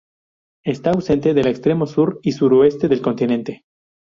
Está ausente del extremo sur y suroeste del continente.